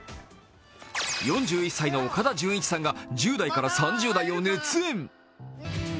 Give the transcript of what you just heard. ４１歳の岡田准一さんが１０代から３０代を熱演。